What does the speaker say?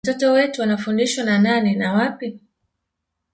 Watoto wetu wanafundishwa na nani na wapi